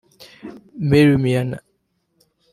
Mary Maina